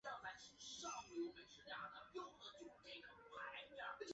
一般受到该国法律规定或长期政治实践而形成相对固定的结构模式。